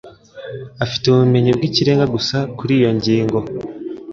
Afite ubumenyi bwikirenga gusa kuriyi ngingo.